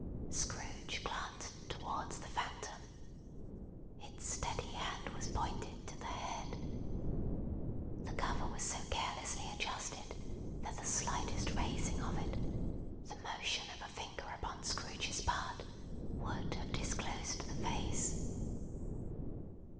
Scrooge glanced towards the Phantom. Its steady hand was pointed to the head. The cover was so carelessly adjusted that the slightest raising of it, the motion of a finger upon Scrooge's part, would have disclosed the face.